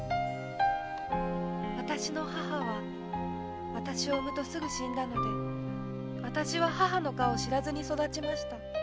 あたしの母はあたしを産むとすぐ死んだのであたしは母の顔を知らずに育ちました。